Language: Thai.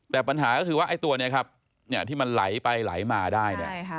แต่ปัญหาคือว่าตัวนี้ครับที่มันหลายไปหลายมาได้